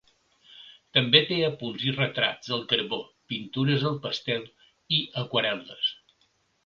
També té apunts i retrats al carbó, pintures al pastel i aquarel·les.